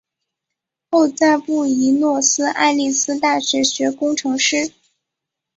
后在布宜诺斯艾利斯大学学工程师。